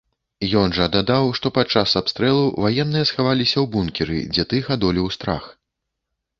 Ён жа дадаў, што падчас абстрэлу ваенныя схаваліся ў бункеры, дзе тых адолеў страх.